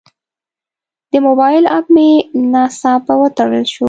د موبایل اپ مې ناڅاپه وتړل شو.